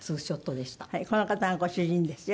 この方がご主人ですよ。